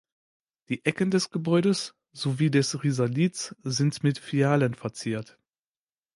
Die Ecken des Gebäudes sowie des Risalits sind mit Fialen verziert.